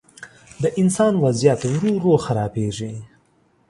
د انسان وضعیت ورو، ورو خرابېږي.